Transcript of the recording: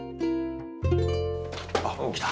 あっ来た。